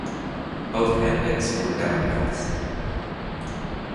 Both candidates were Democrats.